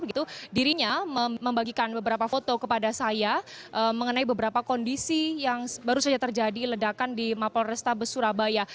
begitu dirinya membagikan beberapa foto kepada saya mengenai beberapa kondisi yang baru saja terjadi ledakan di mapol restabes surabaya